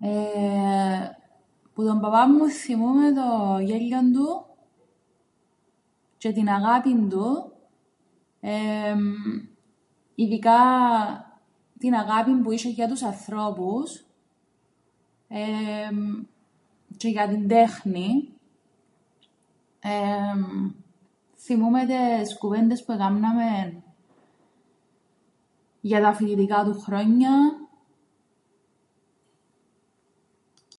Εεε που τον παπά μου θθυμούμαι το γέλιον του τζ̆αι την αγάπη του, ειδικά την αγάπη που είσ̆εν για τους ανθρώπους εεε τζ̆αι την τέχνην. Εεε θθυμούμαι τες κουβέντες που εκάμναμεν για τα φοιτητικά του χρόνια.